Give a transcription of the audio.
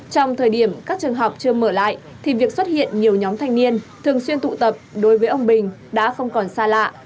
trong thời điểm các trường học chưa mở lại thì việc xuất hiện nhiều nhóm thanh niên thường xuyên tụ tập đối với ông bình đã không còn xa lạ